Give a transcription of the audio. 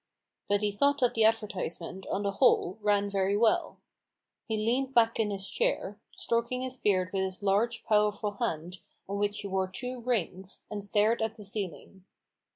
But he thought that the advertisement, on the whole, ran very well. He leaned back in his chair, stroking his beard with his large, powerful hand, on which he wore two rings, and stared at the ceiling.